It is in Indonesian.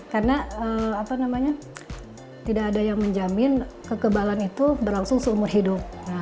karena tidak ada yang menjamin kekebalan itu berlangsung seumur hidup